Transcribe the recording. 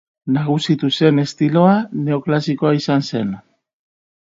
Nagusitu zen estiloa neoklasikoa izan zen.